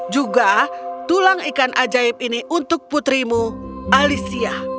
juga tulang ikan ajaib ini untuk putrimu alicia